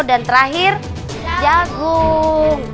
dan terakhir jagung